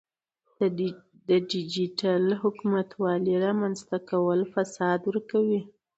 د ډیجیټل حکومتولۍ رامنځته کول فساد ورکوي.